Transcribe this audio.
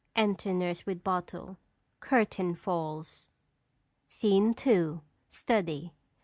Enter nurse with bottle. Curtain falls. SCENE II. STUDY.